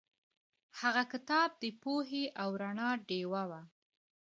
هغه کتاب د پوهې او رڼا ډیوه وه.